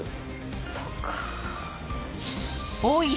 そうか。